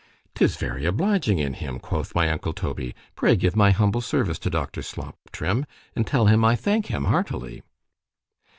——'tis very obliging in him, quoth my uncle Toby;—pray give my humble service to Dr. Slop, Trim, and tell him I thank him heartily.